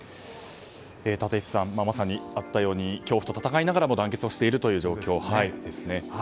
立石さん、まさにあったように恐怖と戦いながらも団結をしているという状況ですね。